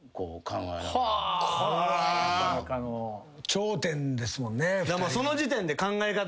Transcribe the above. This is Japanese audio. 頂点ですもんね。